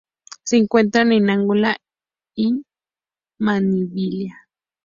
Se encuentra en Angola y Namibia.